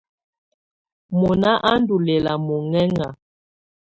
Mɔná á ndɔ lɛ́la mɔŋɛŋa.